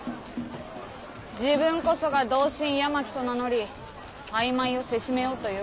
自分こそが同心八巻と名乗り大枚をせしめようという魂胆か。